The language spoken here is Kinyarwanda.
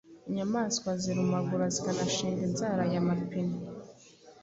Inyamaswa zirumagura zikanashinga inzara aya mapine